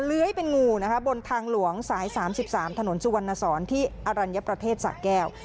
เลื้อยเป็นงูนะคะบนทางหลวงสาย๓๓ถนนสุวรรณสอนที่อรัญญประเทศสะแก้ว